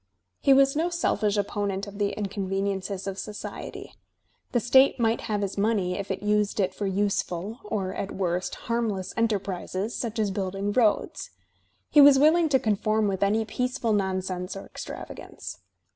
He was no seliSsh opponent of the incon veniences of society. The state might have his money if it used it for useful, or at worst, harmless enterprises, such as building roads. He was willing to conform with any peaceful nonsense or extravagance.